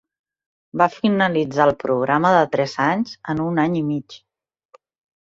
Va finalitzar el programa de tres anys en un any i mig.